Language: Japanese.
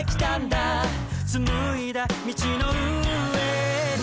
「紡いだ道の上に」